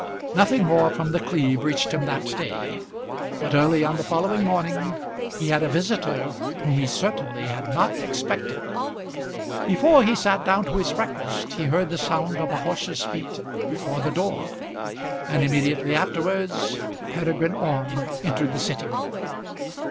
Nothing more from The Cleeve reached him that day; but early on the following morning he had a visitor whom he certainly had not expected. Before he sat down to his breakfast he heard the sound of a horse's feet before the door, and immediately afterwards Peregrine Orme entered the sitting room.